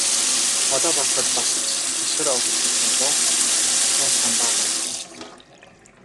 Одоо бодоход бас ч хашир оролдож, овоо овсгоо самбаа гаргасан шиг санагдана.